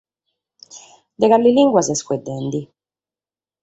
De cale limba ses faeddende?